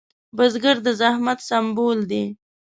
بزګر د زحمت سمبول دی